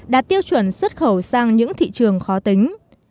đạt tiêu chuẩn xuất khẩu sang những thị trường khó tính